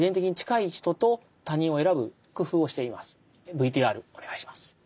ＶＴＲお願いします。